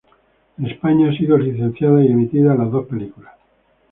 En España ha sido licenciadas y emitidas las dos películas.